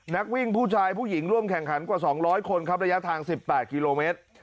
นักวิ่งผู้ชายผู้หญิงร่วมแข่งขันกว่า๒๐๐คนครับระยะทาง๑๘กิโลเมตร